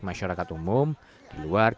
masyarakat umum di luar